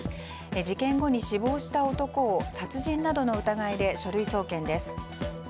事件後に死亡した男を殺人などの疑いで書類送検です。